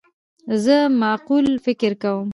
زه معقول فکر کوم.